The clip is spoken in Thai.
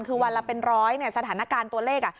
คือวันละเป็น๑๐๐สถานการณ์ตัวเลข